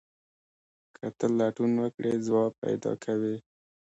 که ته لټون وکړې ځواب پیدا کوې.